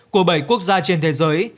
của bảy quốc gia trên thế giới